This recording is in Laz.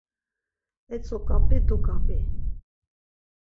Etzuǩap̌i duǩap̌i!